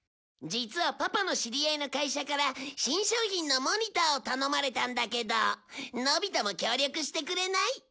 実はパパの知り合いの会社から新商品のモニターを頼まれたんだけどのび太も協力してくれない？